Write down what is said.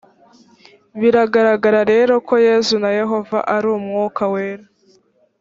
biragaragara rero ko yesu na yehova ari umwuka wera